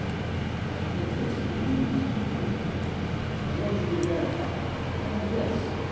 "I am interested in these," Miko went on. "I want you to verify them. And this."